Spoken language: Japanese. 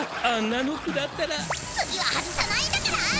ああんなのくらったら。